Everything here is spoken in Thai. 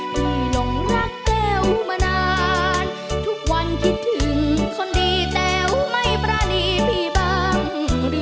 หลงรักแต้วมานานทุกวันคิดถึงคนดีแต๋วไม่ปรานีพี่บ้าง